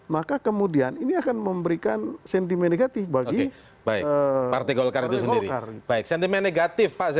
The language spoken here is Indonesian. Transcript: maka kemudian ini akan memberikan sentimen negatif bagi